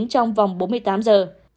trong vòng bốn mươi tám giờ